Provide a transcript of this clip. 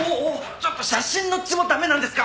ちょっと写真の血も駄目なんですか？